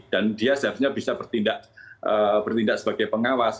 dan dia seharusnya bisa bertindak sebagai pengawas